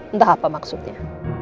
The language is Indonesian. entah apa maksudnya